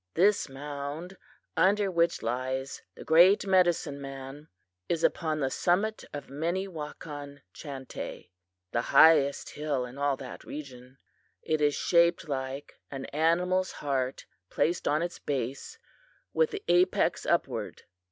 "This mound under which lies the great medicine man is upon the summit of Minnewakan Chantay, the highest hill in all that region. It is shaped like an animal's heart placed on its base, with the apex upward.